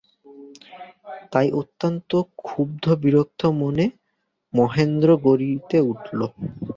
তাই অত্যন্ত ক্ষুব্ধ-বিরক্ত মনে মহেন্দ্র গাড়িতে উঠিল।